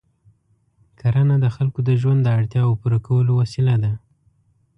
کرنه د خلکو د ژوند د اړتیاوو پوره کولو وسیله ده.